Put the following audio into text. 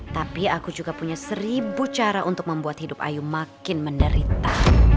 tapi aku juga punya seribu cara untuk membuat hidup ayu makin menderita